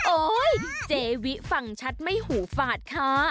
โอ๊ยเจวิฟังชัดไม่หูฝาดค่ะ